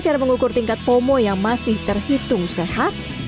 cara mengukur tingkat fomo yang masih terhitung sehat